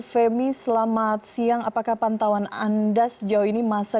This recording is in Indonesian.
femi selamat siang apakah pantauan anda sejauh ini masa